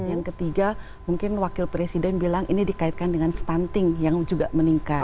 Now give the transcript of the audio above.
yang ketiga mungkin wakil presiden bilang ini dikaitkan dengan stunting yang juga meningkat